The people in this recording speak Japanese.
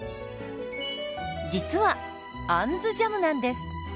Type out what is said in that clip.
実は「あんずジャム」なんです。